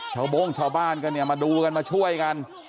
โบ้งชาวบ้านกันเนี่ยมาดูกันมาช่วยกัน